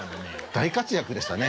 大活躍でしたね。